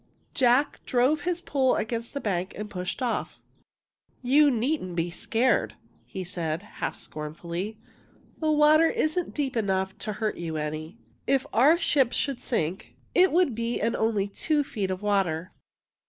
Jack drove his pole against the bank and pushed off. " You needn't be scared," he said, half scornfuUy, '' the water isn't deep enough to hurt you any. If our ship should sink, it would be in only two feet of water."